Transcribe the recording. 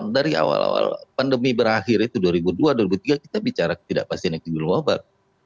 dari awal awal pandemi berakhir itu dua ribu dua dua ribu tiga kita bicara ketidakpastian ekonomi global